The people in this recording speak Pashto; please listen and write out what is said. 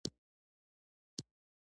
دوی په ټوله نړۍ کې پانګونه کوي.